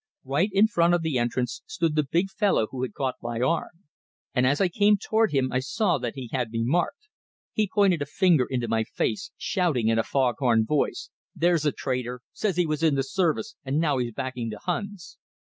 Right in front of the entrance stood the big fellow who had caught my arm; and as I came toward him I saw that he had me marked. He pointed a finger into my face, shouting in a fog horn voice: "There's a traitor! Says he was in the service, and now he's backing the Huns!"